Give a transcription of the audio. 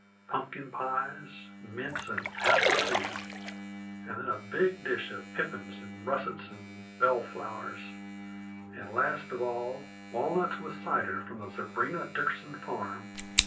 Pumpkin pies, mince an' apple too, and then a big dish of pippins an' russets an' bellflowers, an', last of all, walnuts with cider from the Zebrina Dickerson farm!